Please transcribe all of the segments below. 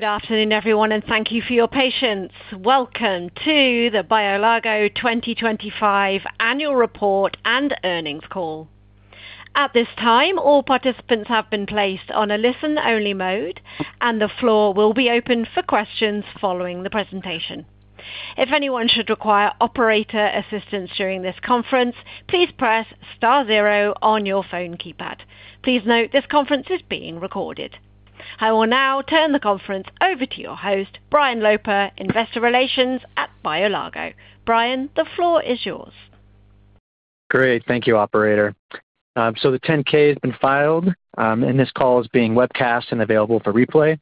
Good afternoon, everyone, and thank you for your patience. Welcome to the BioLargo 2025 Annual Report and Earnings Call. At this time, all participants have been placed on a listen-only mode, and the floor will be opened for questions following the presentation. If anyone should require operator assistance during this conference, please press star zero on your phone keypad. Please note this conference is being recorded. I will now turn the conference over to your host, Brian Loper, Investor Relations at BioLargo. Brian, the floor is yours. Great. Thank you, operator. The 10-K has been filed. This call is being webcast and available for replay.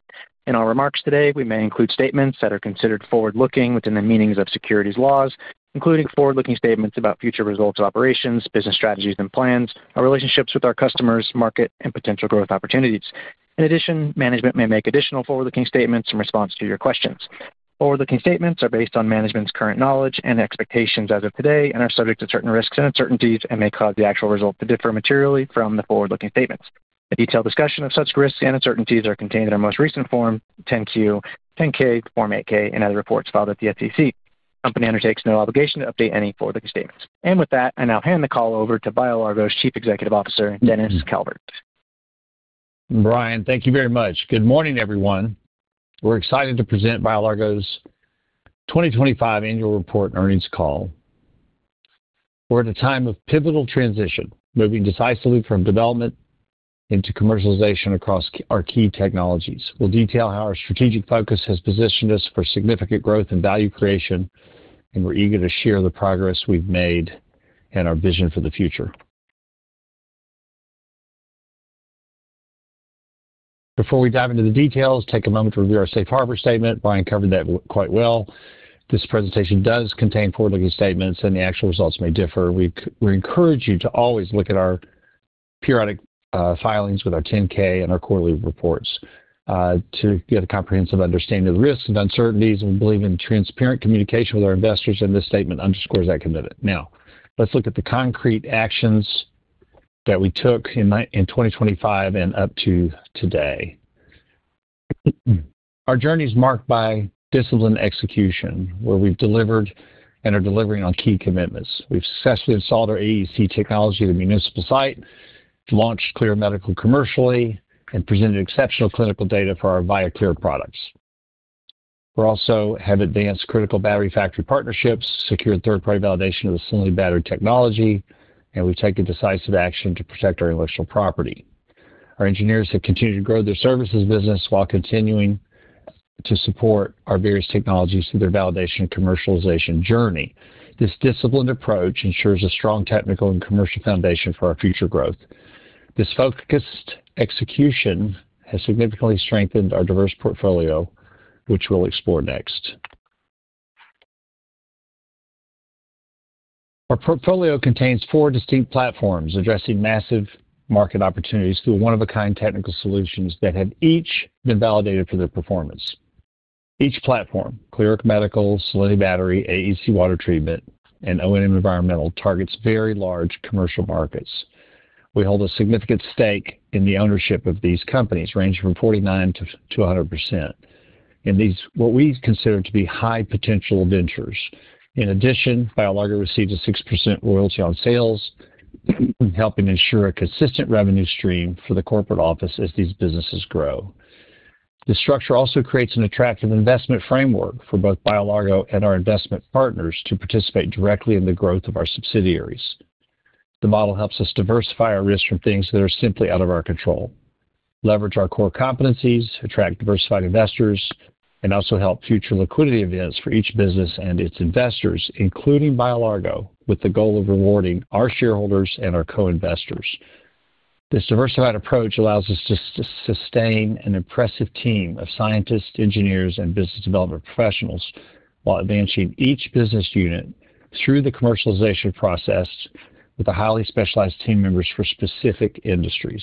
In our remarks today, we may include statements that are considered forward-looking within the meanings of securities laws, including forward-looking statements about future results of operations, business strategies and plans, our relationships with our customers, market and potential growth opportunities. In addition, management may make additional forward-looking statements in response to your questions. Forward-looking statements are based on management's current knowledge and expectations as of today and are subject to certain risks and uncertainties and may cause the actual results to differ materially from the forward-looking statements. A detailed discussion of such risks and uncertainties are contained in our most recent Form 10-Q, 10-K, Form 8-K and other reports filed at the SEC. Company undertakes no obligation to update any forward-looking statements. With that, I now hand the call over to BioLargo's Chief Executive Officer, Dennis Calvert. Brian, thank you very much. Good morning, everyone. We're excited to present BioLargo's 2025 Annual Report and Earnings Call. We're at a time of pivotal transition, moving decisively from development into commercialization across our key technologies. We'll detail how our strategic focus has positioned us for significant growth and value creation, and we're eager to share the progress we've made and our vision for the future. Before we dive into the details, take a moment to review our safe harbor statement. Brian covered that quite well. This presentation does contain forward-looking statements, and the actual results may differ. We encourage you to always look at our periodic filings with our 10-K and our quarterly reports to get a comprehensive understanding of the risks and uncertainties, and we believe in transparent communication with our investors, and this statement underscores that commitment. Let's look at the concrete actions that we took in 2025 and up to today. Our journey is marked by disciplined execution, where we've delivered and are delivering on key commitments. We've successfully installed our AEC technology at the municipal site, launched Clyra Medical commercially, and presented exceptional clinical data for our ViaCLYR products. We also have advanced critical battery factory partnerships, secured third-party validation of the Cellinity Battery technology, and we've taken decisive action to protect our intellectual property. Our engineers have continued to grow their services business while continuing to support our various technologies through their validation and commercialization journey. This disciplined approach ensures a strong technical and commercial foundation for our future growth. This focused execution has significantly strengthened our diverse portfolio, which we'll explore next. Our portfolio contains four distinct platforms addressing massive market opportunities through one-of-a-kind technical solutions that have each been validated for their performance. Each platform, Clyra Medical, Cellinity Battery, AEC Water Treatment, and ONM Environmental, targets very large commercial markets. We hold a significant stake in the ownership of these companies, ranging from 49% to 100% in these, what we consider to be high-potential ventures. In addition, BioLargo receives a 6% royalty on sales, helping ensure a consistent revenue stream for the corporate office as these businesses grow. This structure also creates an attractive investment framework for both BioLargo and our investment partners to participate directly in the growth of our subsidiaries. The model helps us diversify our risk from things that are simply out of our control, leverage our core competencies, attract diversified investors, and also help future liquidity events for each business and its investors, including BioLargo, with the goal of rewarding our shareholders and our co-investors. This diversified approach allows us to sustain an impressive team of scientists, engineers, and business development professionals while advancing each business unit through the commercialization process with the highly specialized team members for specific industries.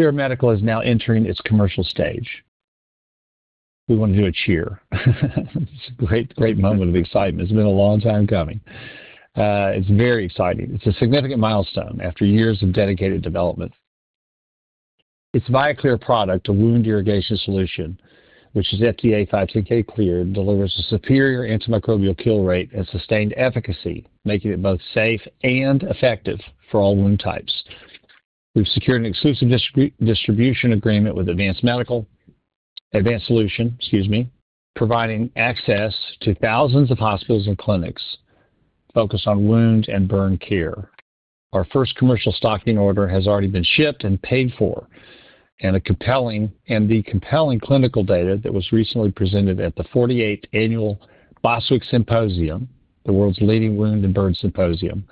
Clyra Medical is now entering its commercial stage. We want to do a cheer. It's a great moment of excitement. It's been a long time coming. It's very exciting. It's a significant milestone after years of dedicated development. Its ViaCLYR product, a wound irrigation solution, which is FDA 510(k) cleared, delivers a superior antimicrobial kill rate and sustained efficacy, making it both safe and effective for all wound types. We've secured an exclusive distribution agreement with Advanced Solution, excuse me, providing access to thousands of hospitals and clinics focused on wound and burn care. Our first commercial stocking order has already been shipped and paid for, and the compelling clinical data that was recently presented at the 48th Annual Boswick Symposium, the world's leading wound and burn symposium.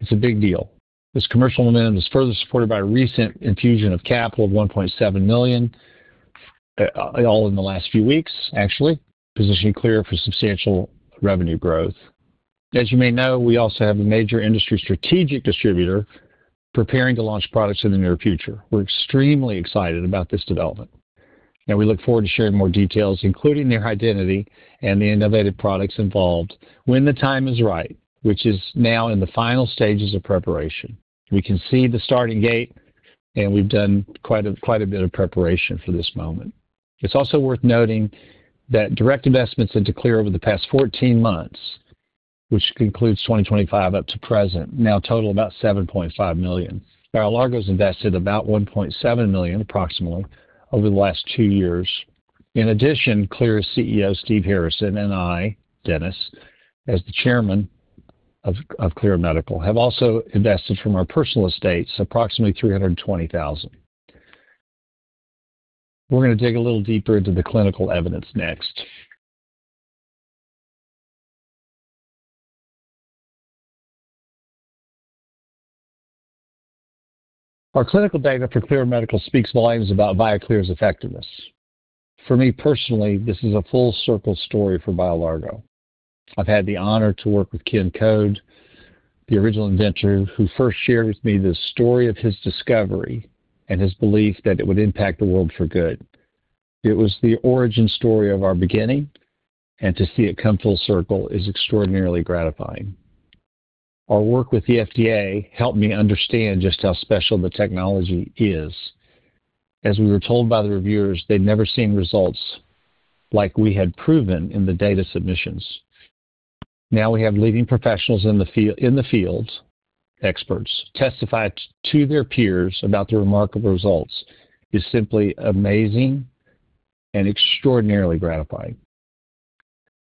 It's a big deal. This commercial momentum is further supported by a recent infusion of capital of $1.7 million, all in the last few weeks, actually, positioning Clyra for substantial revenue growth. As you may know, we also have a major industry strategic distributor preparing to launch products in the near future. We're extremely excited about this development, and we look forward to sharing more details, including their identity and the innovative products involved when the time is right, which is now in the final stages of preparation. We can see the starting gate, and we've done quite a bit of preparation for this moment. It's also worth noting that direct investments into Clyra over the past 14 months, which concludes 2025 up to present, now total about $7.5 million. BioLargo's invested about $1.7 million, approximately, over the last two years. In addition, Clyra's CEO, Steve Harrison, and I, Dennis, as the Chairman of Clyra Medical have also invested from our personal estates approximately $320,000. We're gonna dig a little deeper into the clinical evidence next. Our clinical data for Clyra Medical speaks volumes about ViaCLYR's effectiveness. For me personally, this is a full circle story for BioLargo. I've had the honor to work with Ken Code, the original inventor, who first shared with me the story of his discovery and his belief that it would impact the world for good. It was the origin story of our beginning, and to see it come full circle is extraordinarily gratifying. Our work with the FDA helped me understand just how special the technology is. As we were told by the reviewers, they'd never seen results like we had proven in the data submissions. Now we have leading professionals in the field, experts testify to their peers about the remarkable results is simply amazing and extraordinarily gratifying.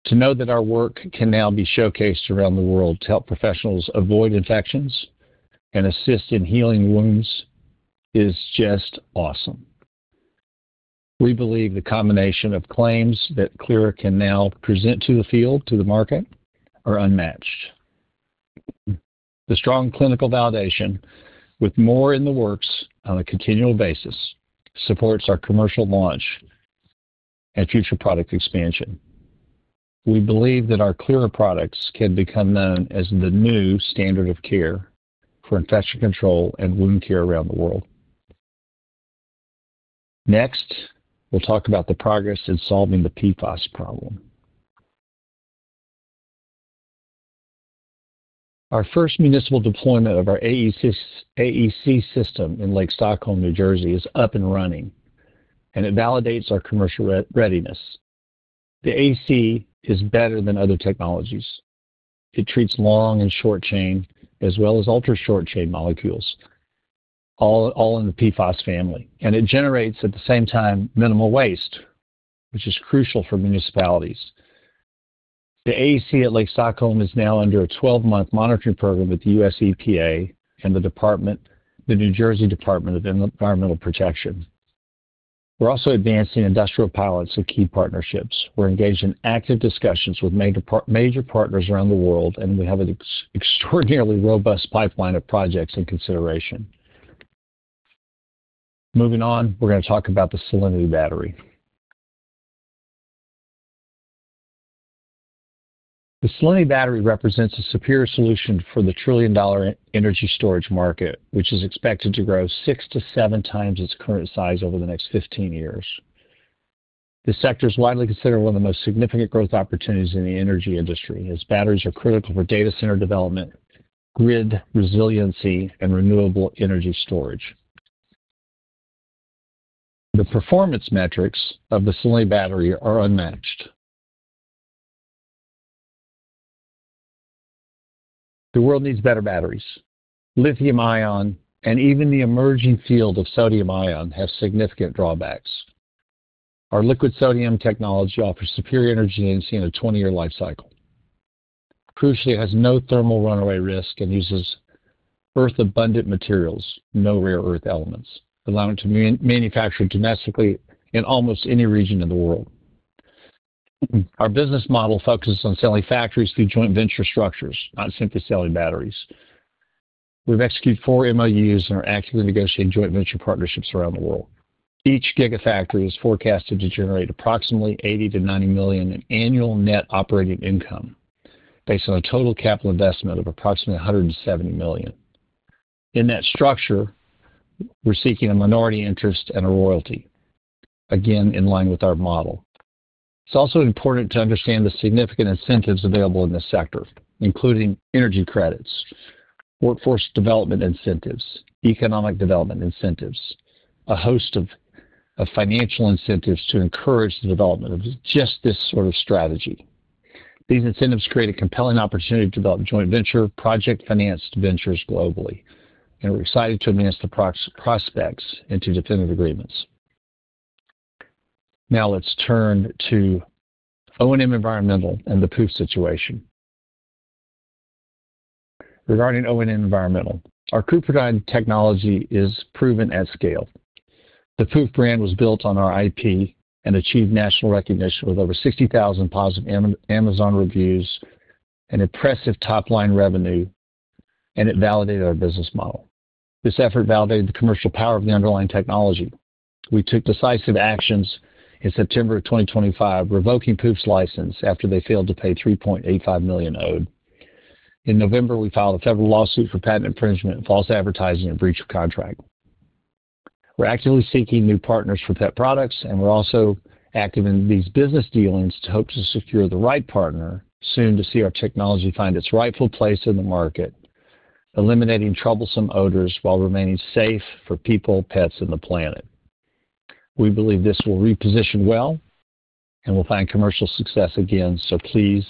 To know that our work can now be showcased around the world to help professionals avoid infections and assist in healing wounds is just awesome. We believe the combination of claims that Clyra can now present to the field, to the market, are unmatched. The strong clinical validation, with more in the works on a continual basis, supports our commercial launch and future product expansion. We believe that our Clyra products can become known as the new standard of care for infection control and wound care around the world. Next, we'll talk about the progress in solving the PFAS problem. Our first municipal deployment of our AEC system in Lake Stockholm, New Jersey, is up and running, and it validates our commercial re-readiness. The AEC is better than other technologies. It treats long and short chain, as well as ultra-short chain molecules, all in the PFAS family, and it generates, at the same time, minimal waste, which is crucial for municipalities. The AEC at Lake Stockholm is now under a 12-month monitoring program with the U.S. EPA and the New Jersey Department of Environmental Protection. We're also advancing industrial pilots with key partnerships. We're engaged in active discussions with major partners around the world, and we have an extraordinarily robust pipeline of projects in consideration. Moving on, we're gonna talk about the Cellinity Battery. The Cellinity Battery represents a superior solution for the trillion-dollar energy storage market, which is expected to grow 6x-7x its current size over the next 15 years. This sector is widely considered one of the most significant growth opportunities in the energy industry, as batteries are critical for data center development, grid resiliency, and renewable energy storage. The performance metrics of the Cellinity Battery are unmatched. The world needs better batteries. lithium-ion and even the emerging field of sodium-ion have significant drawbacks. Our liquid sodium technology offers superior energy density and a 20-year life cycle. Crucially, it has no thermal runaway risk and uses earth-abundant materials, no rare earth elements, allowing it to manufacture domestically in almost any region of the world. Our business model focuses on selling factories through joint venture structures, not simply selling batteries. We've executed four MOUs and are actively negotiating joint venture partnerships around the world. Each gigafactory is forecasted to generate approximately $80 million-$90 million in annual net operating income based on a total capital investment of approximately $170 million. In that structure, we're seeking a minority interest and a royalty, again, in line with our model. It's also important to understand the significant incentives available in this sector, including energy credits, workforce development incentives, economic development incentives, a host of financial incentives to encourage the development of just this sort of strategy. These incentives create a compelling opportunity to develop joint venture project financed ventures globally, and we're excited to advance the prospects into definitive agreements. Now let's turn to ONM Environmental and the Pooph situation. Regarding ONM Environmental, our CupriDyne technology is proven at scale. The Pooph brand was built on our IP and achieved national recognition with over 60,000 positive Amazon reviews and impressive top-line revenue, and it validated our business model. This effort validated the commercial power of the underlying technology. We took decisive actions in September 2025, revoking Pooph's license after they failed to pay $3.85 million owed. In November, we filed a federal lawsuit for patent infringement, false advertising, and breach of contract. We're actively seeking new partners for pet products, and we're also active in these business dealings to hope to secure the right partner soon to see our technology find its rightful place in the market, eliminating troublesome odors while remaining safe for people, pets, and the planet. We believe this will reposition well, and we'll find commercial success again. Please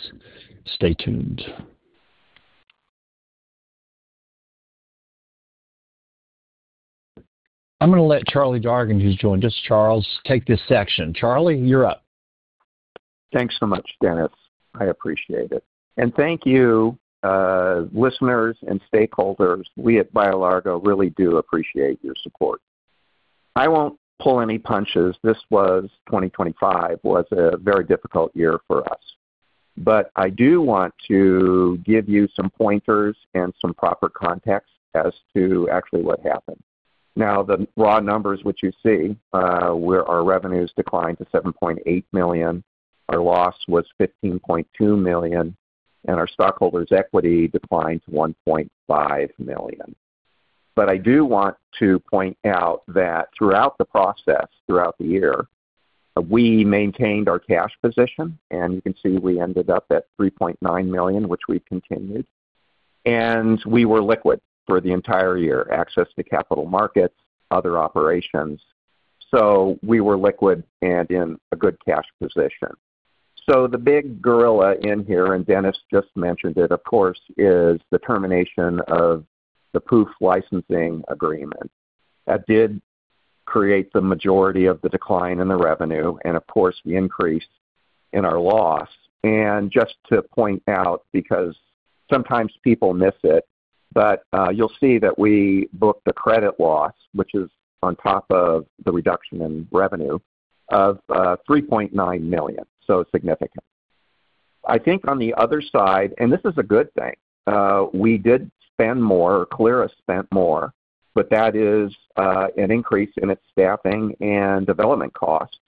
stay tuned. I'm gonna let Charlie Dargan, who's joined us, Charles, take this section. Charlie, you're up. Thanks so much, Dennis. I appreciate it. Thank you, listeners and stakeholders. We at BioLargo really do appreciate your support. I won't pull any punches. 2025 was a very difficult year for us. I do want to give you some pointers and some proper context as to actually what happened. Now, the raw numbers which you see, where our revenues declined to $7.8 million, our loss was $15.2 million, and our stockholders' equity declined to $1.5 million. I do want to point out that throughout the process, throughout the year, we maintained our cash position, and you can see we ended up at $3.9 million, which we've continued. We were liquid for the entire year. Access to capital markets, other operations. We were liquid and in a good cash position. The big gorilla in here, and Dennis just mentioned it, of course, is the termination of the Pooph licensing agreement. That did create the majority of the decline in the revenue and, of course, the increase in our loss. Just to point out because sometimes people miss it, but you'll see that we booked a credit loss, which is on top of the reduction in revenue of $3.9 million. Significant. I think on the other side, and this is a good thing, we did spend more, or Clyra spent more, but that is an increase in its staffing and development costs.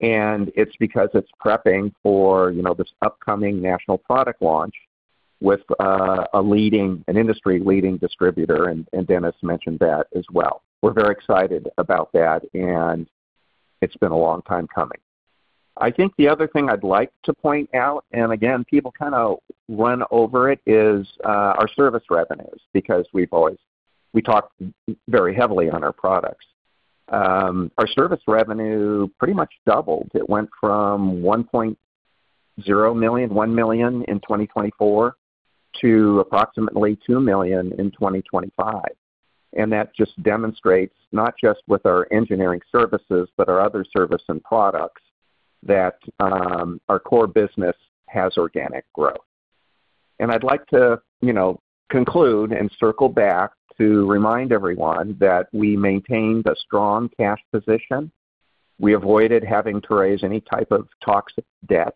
It's because it's prepping for, you know, this upcoming national product launch with an industry-leading distributor, and Dennis mentioned that as well. We're very excited about that, and it's been a long time coming. I think the other thing I'd like to point out, and again, people kind of run over it, is our service revenues because we talked very heavily on our products. Our service revenue pretty much doubled. It went from $1 million in 2024 to approximately $2 million in 2025. That just demonstrates not just with our engineering services, but our other service and products that our core business has organic growth. I'd like to, you know, conclude and circle back to remind everyone that we maintained a strong cash position. We avoided having to raise any type of toxic debt,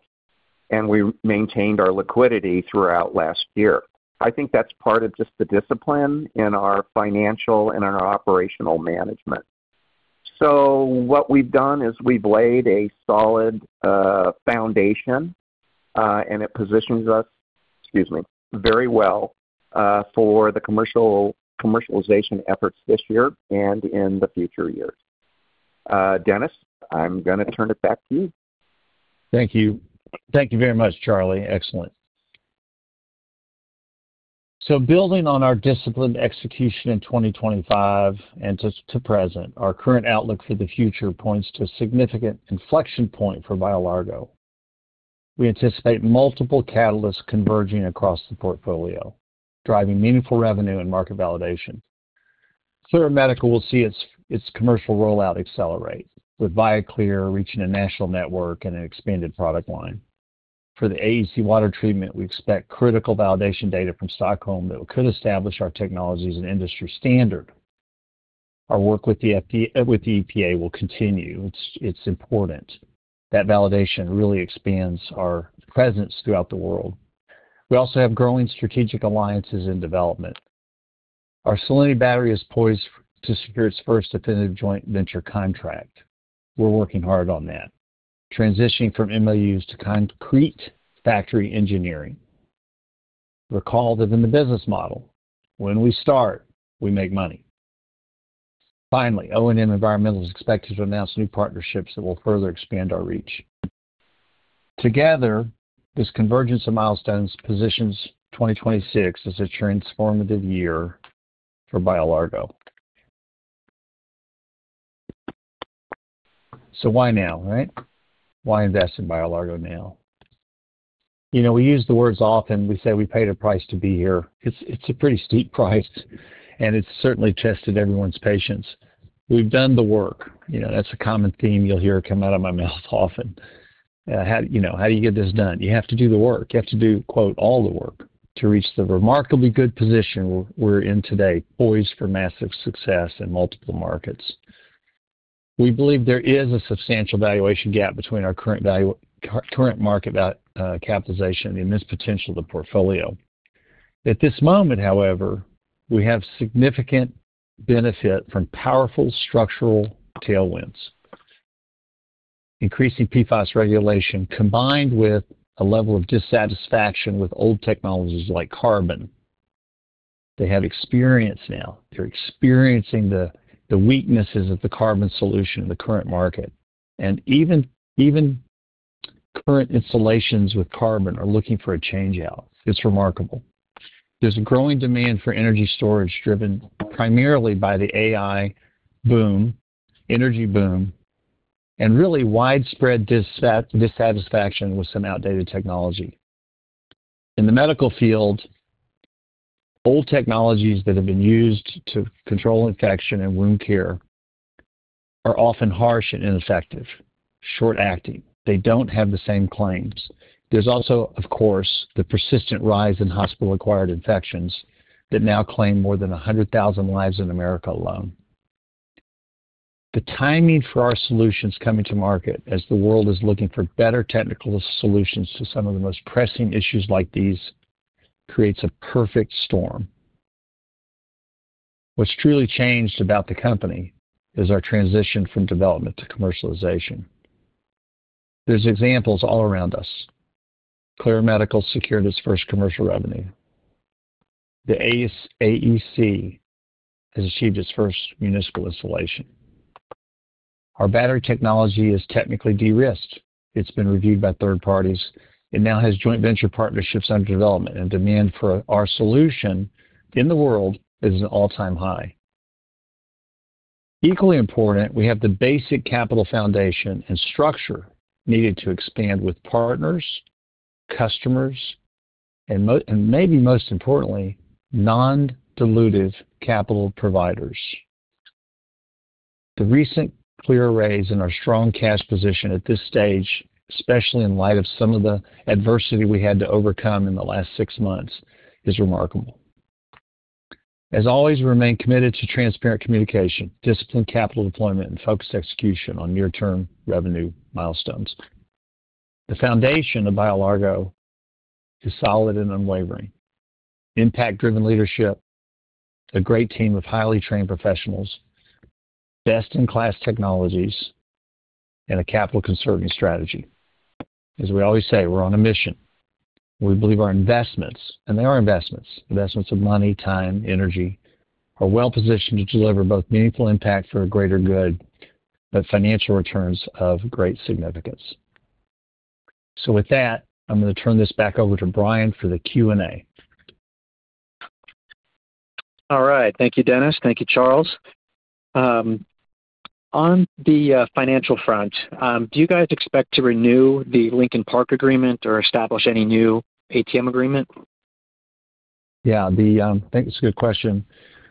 and we maintained our liquidity throughout last year. I think that's part of just the discipline in our financial and our operational management. What we've done is we've laid a solid foundation, and it positions us, excuse me, very well for the commercialization efforts this year and in the future years. Dennis, I'm gonna turn it back to you. Thank you. Thank you very much, Charlie. Excellent. Building on our disciplined execution in 2025 and to present, our current outlook for the future points to a significant inflection point for BioLargo. We anticipate multiple catalysts converging across the portfolio, driving meaningful revenue and market validation. Clyra Medical will see its commercial rollout accelerate, with ViaCLYR reaching a national network and an expanded product line. For the AEC water treatment, we expect critical validation data from Stockholm that could establish our technology as an industry standard. Our work with the EPA will continue. It's important. That validation really expands our presence throughout the world. We also have growing strategic alliances in development. Our Cellinity Battery is poised to secure its first definitive joint venture contract. We're working hard on that, transitioning from MOUs to concrete factory engineering. Recall that in the business model, when we start, we make money. Finally, ONM Environmental is expected to announce new partnerships that will further expand our reach. Together, this convergence of milestones positions 2026 as a transformative year for BioLargo. Why now, right? Why invest in BioLargo now? You know, we use the words often. We say we paid a price to be here. It's, it's a pretty steep price, and it's certainly tested everyone's patience. We've done the work. You know, that's a common theme you'll hear come out of my mouth often. How, you know, how do you get this done? You have to do the work. You have to do, quote, "all the work" to reach the remarkably good position we're in today, poised for massive success in multiple markets. We believe there is a substantial valuation gap between our current value, current market capitalization and this potential of the portfolio. At this moment, however, we have significant benefit from powerful structural tailwinds. Increasing PFAS regulation combined with a level of dissatisfaction with old technologies like carbon. They have experience now. They're experiencing the weaknesses of the carbon solution in the current market. Even current installations with carbon are looking for a change out. It's remarkable. There's a growing demand for energy storage driven primarily by the AI boom, energy boom, and really widespread dissatisfaction with some outdated technology. In the medical field, old technologies that have been used to control infection and wound care are often harsh and ineffective, short-acting. They don't have the same claims. There's also, of course, the persistent rise in hospital-acquired infections that now claim more than 100,000 lives in America alone. The timing for our solutions coming to market as the world is looking for better technical solutions to some of the most pressing issues like these creates a perfect storm. What's truly changed about the company is our transition from development to commercialization. There's examples all around us. Clyra Medical secured its first commercial revenue. The AEC has achieved its first municipal installation. Our battery technology is technically de-risked. It's been reviewed by third parties. It now has joint venture partnerships under development. Demand for our solution in the world is at an all-time high. Equally important, we have the basic capital foundation and structure needed to expand with partners, customers, maybe most importantly, non-dilutive capital providers. The recent clear raise in our strong cash position at this stage, especially in light of some of the adversity we had to overcome in the last six months, is remarkable. As always, we remain committed to transparent communication, disciplined capital deployment, and focused execution on near-term revenue milestones. The foundation of BioLargo is solid and unwavering. Impact-driven leadership, a great team of highly trained professionals, best-in-class technologies, and a capital-conserving strategy. As we always say, we're on a mission. We believe our investments, and they are investments of money, time, energy, are well-positioned to deliver both meaningful impact for a greater good, but financial returns of great significance. With that, I'm gonna turn this back over to Brian for the Q&A. All right. Thank you, Dennis. Thank you, Charles. On the financial front, do you guys expect to renew the Lincoln Park agreement or establish any new ATM agreement? Yeah. I think it's a good question.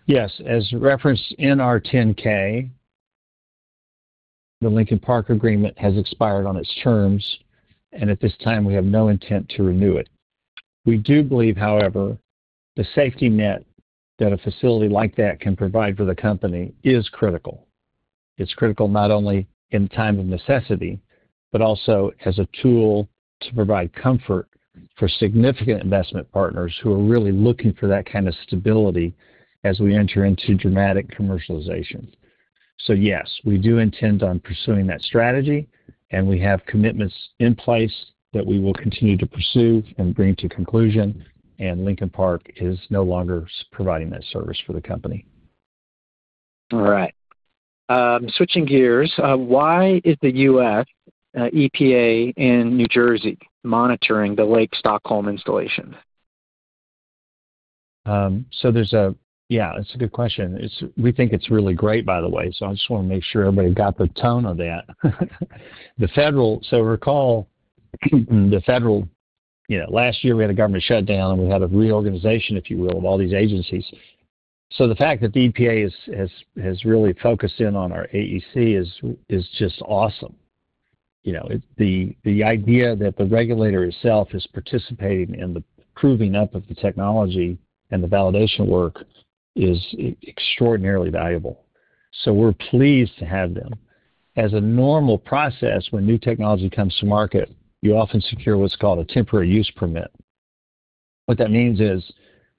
Yes. As referenced in our 10-K, the Lincoln Park agreement has expired on its terms. At this time, we have no intent to renew it. We do believe, however, the safety net that a facility like that can provide for the company is critical. It's critical not only in time of necessity, but also as a tool to provide comfort for significant investment partners who are really looking for that kind of stability as we enter into dramatic commercialization. Yes, we do intend on pursuing that strategy, and we have commitments in place that we will continue to pursue and bring to conclusion. Lincoln Park is no longer providing that service for the company. All right. Switching gears. Why is the U.S. EPA in New Jersey monitoring the Lake Stockholm installation? Yeah, that's a good question. We think it's really great, by the way, so I just wanna make sure everybody got the tone of that. Recall the federal, you know, last year we had a government shutdown, and we had a reorganization, if you will, of all these agencies. The fact that the EPA has really focused in on our AEC is just awesome. You know, the idea that the regulator itself is participating in the proving up of the technology and the validation work is extraordinarily valuable. We're pleased to have them. As a normal process when new technology comes to market, you often secure what's called a temporary use permit. What that means is,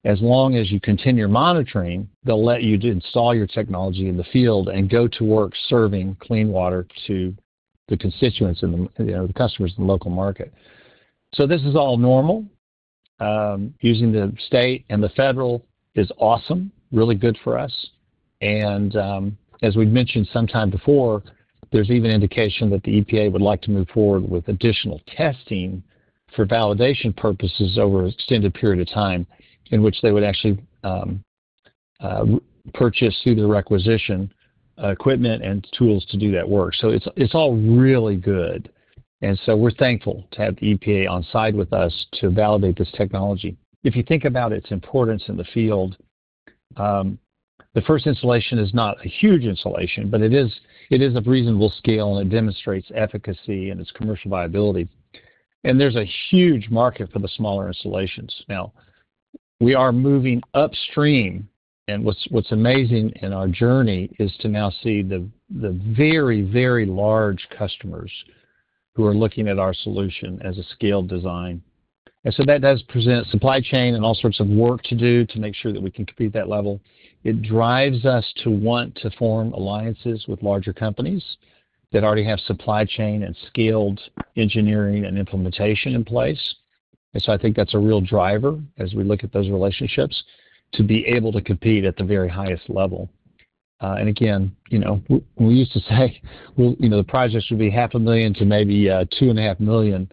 as long as you continue monitoring, they'll let you install your technology in the field and go to work serving clean water to the constituents in the, you know, the customers in the local market. This is all normal. Using the state and the federal is awesome, really good for us. As we've mentioned sometime before, there's even indication that the EPA would like to move forward with additional testing for validation purposes over an extended period of time in which they would actually purchase through the requisition equipment and tools to do that work. It's all really good. We're thankful to have the EPA on side with us to validate this technology. If you think about its importance in the field, the first installation is not a huge installation, but it is of reasonable scale, and it demonstrates efficacy and its commercial viability. There's a huge market for the smaller installations. Now, we are moving upstream, and what's amazing in our journey is to now see the very, very large customers who are looking at our solution as a scaled design. That does present supply chain and all sorts of work to do to make sure that we can compete at that level. It drives us to want to form alliances with larger companies that already have supply chain and skilled engineering and implementation in place. I think that's a real driver as we look at those relationships to be able to compete at the very highest level. Again, you know, we used to say, well, you know, the projects would be $500,000 to maybe $2.5 million,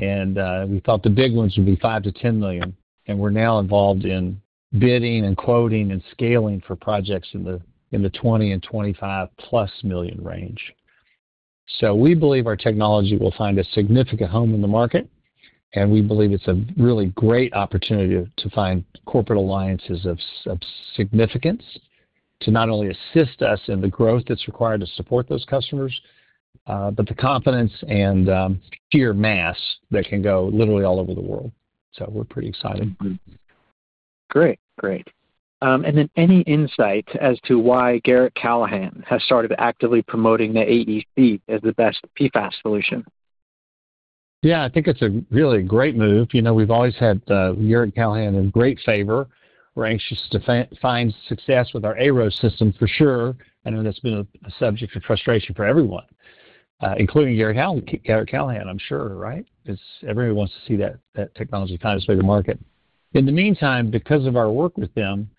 and we thought the big ones would be $5 million-$10 million, and we're now involved in bidding and quoting and scaling for projects in the $20 million-$25 million+ range. We believe our technology will find a significant home in the market, and we believe it's a really great opportunity to find corporate alliances of significance to not only assist us in the growth that's required to support those customers, but the confidence and sheer mass that can go literally all over the world. We're pretty excited. Great. Great. Any insight as to why Garratt-Callahan has started actively promoting the AEC as the best PFAS solution? Yeah. I think it's a really great move. You know, we've always had Garratt-Callahan in great favor. We're anxious to find success with our ARO system for sure, and then that's been a subject of frustration for everyone, including Garratt-Callahan, I'm sure, right? 'Cause everybody wants to see that technology find its way to market. In the meantime, because of our work with them,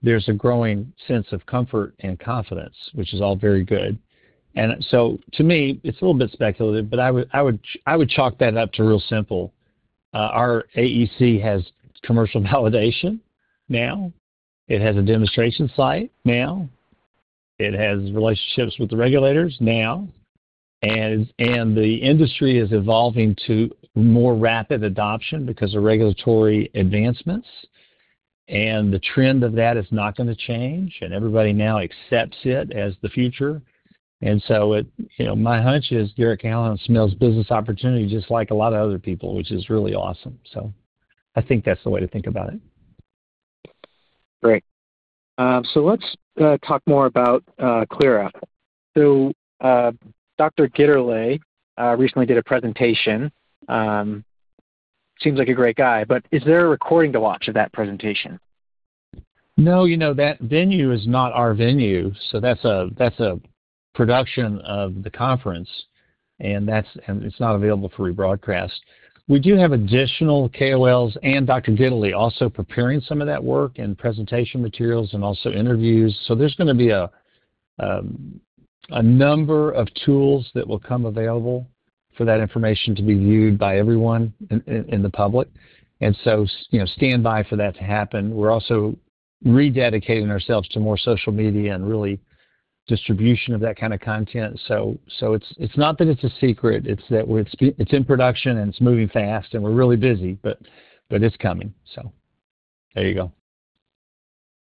there's a growing sense of comfort and confidence, which is all very good. To me, it's a little bit speculative, but I would chalk that up to real simple. Our AEC has commercial validation now. It has a demonstration site now. It has relationships with the regulators now. The industry is evolving to more rapid adoption because of regulatory advancements. The trend of that is not gonna change. Everybody now accepts it as the future. You know, my hunch is Garratt-Callahan smells business opportunity just like a lot of other people, which is really awesome. I think that's the way to think about it. Great. Let's talk more about Clyra. Dr. Gitterle recently did a presentation. Seems like a great guy, but is there a recording to watch of that presentation? No. You know, that venue is not our venue, that's a production of the conference, and it's not available for rebroadcast. We do have additional KOLs and Dr. Gitterle also preparing some of that work and presentation materials and also interviews. There's gonna be a number of tools that will come available for that information to be viewed by everyone in the public. You know, stand by for that to happen. We're also rededicating ourselves to more social media and really distribution of that kind of content. It's not that it's a secret, it's that it's in production and it's moving fast, and we're really busy, but it's coming. There you go.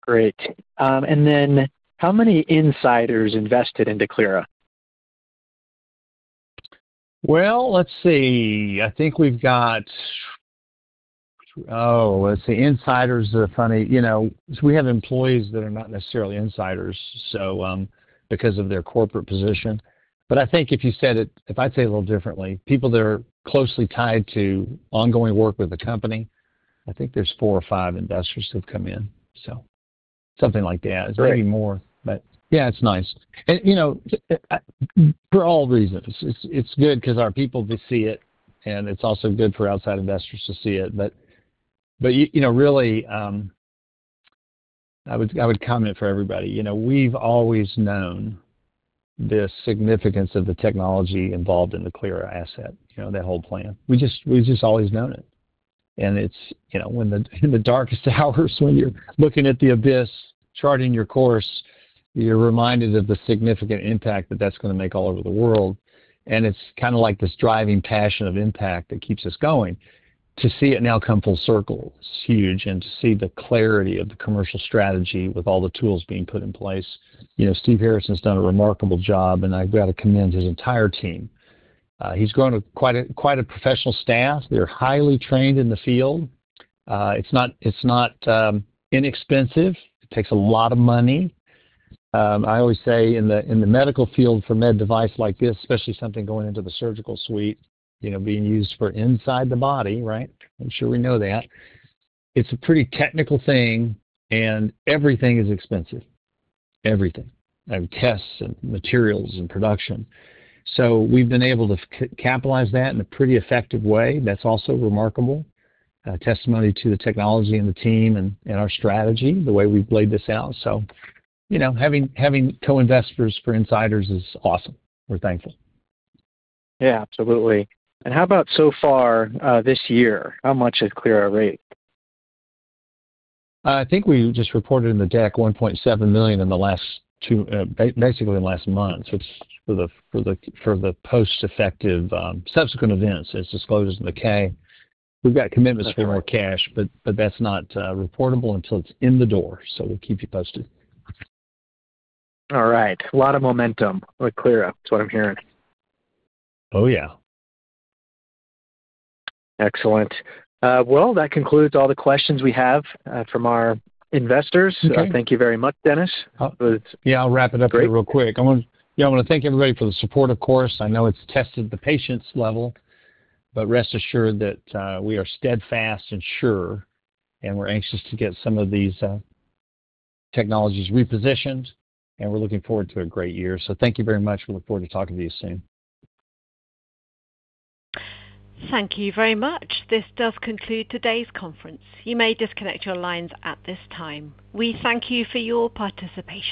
Great. Then how many insiders invested into Clyra? Let's see. I think we've got. Let's see. Insiders are funny, you know, 'cause we have employees that are not necessarily insiders so, because of their corporate position. I think if you said it if I'd say a little differently, people that are closely tied to ongoing work with the company, I think there's four or five investors who've come in. Something like that. Great. It's maybe more. Yeah, it's nice. You know, for all reasons. It's good 'cause our people to see it, and it's also good for outside investors to see it. You know, really, I would comment for everybody, you know, we've always known the significance of the technology involved in the Clyra asset, you know, that whole plan. We've just always known it. It's, you know, when in the darkest hours when you're looking at the abyss, charting your course, you're reminded of the significant impact that that's gonna make all over the world, and it's kinda like this driving passion of impact that keeps us going. To see it now come full circle is huge, to see the clarity of the commercial strategy with all the tools being put in place, you know, Steve Harrison's done a remarkable job, and I've got to commend his entire team. He's grown a quite a professional staff. They're highly trained in the field. It's not, it's not inexpensive. It takes a lot of money. I always say in the medical field for med device like this, especially something going into the surgical suite, you know, being used for inside the body, right? I'm sure we know that. It's a pretty technical thing, and everything is expensive. Everything. Tests and materials and production. We've been able to capitalize that in a pretty effective way. That's also remarkable, a testimony to the technology and the team and our strategy, the way we've laid this out. You know, having co-investors for insiders is awesome. We're thankful. Yeah, absolutely. How about so far, this year? How much has Clyra raised? I think we just reported in the deck $1.7 million basically in the last month. It's for the post-effective subsequent events. It's disclosed in the K. We've got commitments for more cash, but that's not reportable until it's in the door. We'll keep you posted. All right. A lot of momentum with Clyra. That's what I'm hearing. Oh, yeah. Excellent. Well, that concludes all the questions we have from our investors. Okay. Thank you very much, Dennis. Yeah, I'll wrap it up here real quick. Great. I wanna. Yeah, I wanna thank everybody for the support, of course. I know it's tested the patience level, but rest assured that we are steadfast and sure, and we're anxious to get some of these technologies repositioned, and we're looking forward to a great year. Thank you very much. We look forward to talking to you soon. Thank you very much. This does conclude today's conference. You may disconnect your lines at this time. We thank you for your participation.